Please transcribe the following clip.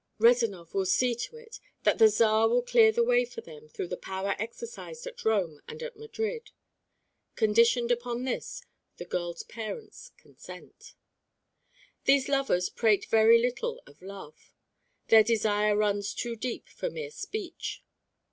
Rezanov will see to it that the Czar will clear the way for them through power exercised at Rome and at Madrid. Conditioned upon this, the girl's parents consent. These lovers prate very little of love. Their desire runs too deep for mere speech.